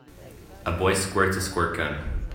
a boy squirts a squirt gun.